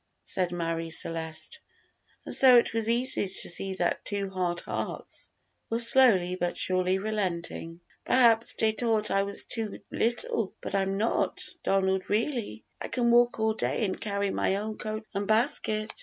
said Marie Celeste; and so it was easy to see that two hard hearts were slowly but surely relenting. "Perhaps dey tought I was too little, but I'm not, Donald, really; I can walk all day an' carry my own coat an' basket.